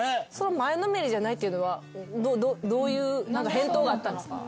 前のめりじゃないというのはどういう返答があったんですか？